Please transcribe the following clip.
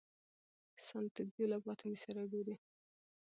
سانتیاګو له فاطمې سره ګوري.